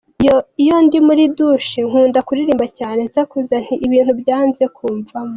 Iyo ndi muri ‘dushe nkunda kuririmba cyane nsakuza, ni ibintu byanze kumvamo.